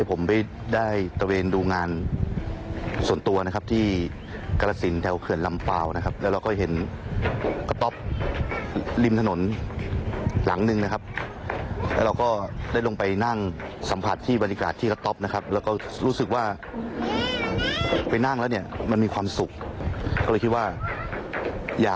ไปคุยกับเจ้าของร้านเขาหน่อยดีกว่าค่ะ